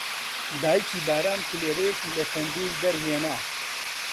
دایکی بارام کولێرەیەکی لە تەندوور دەرهێنا